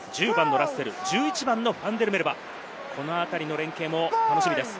１０番ラッセル、１１番ファンデルメルヴァ、このあたりの連係も楽しみです。